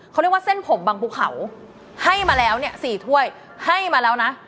เขาเรียกว่าเส้นผมบางภูเขาให้มาแล้วเนี่ย๔ถ้วยให้มาแล้วนะ